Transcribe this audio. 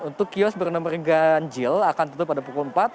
untuk kios bernomor ganjil akan tutup pada pukul empat